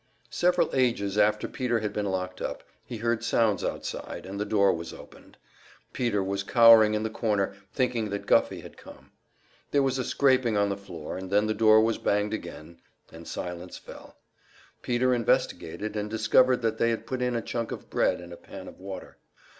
Several ages after Peter had been locked up, he heard sounds outside, and the door was opened. Peter was cowering in the corner, thinking that Guffey had come. There was a scraping on the floor, and then the door was banged again, and silence fell. Peter investigated and discovered that they had put in a chunk of bread and a pan of water.